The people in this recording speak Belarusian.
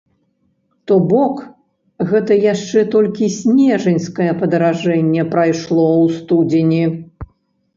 То бок гэта яшчэ толькі снежаньскае падаражанне прайшло ў студзені.